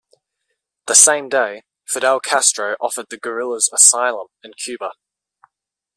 The same day, Fidel Castro offered the guerrillas asylum in Cuba.